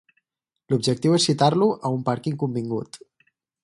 L'objectiu és citar-lo a un pàrquing convingut.